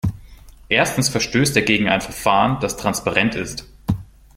Erstens verstößt er gegen ein Verfahren, das transparent ist.